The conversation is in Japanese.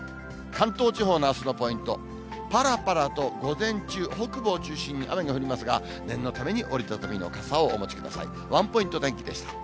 関東地方のあすのポイント、ぱらぱらと午前中、北部を中心に雨が降りますが、念のために折り畳みの傘をお持ちください。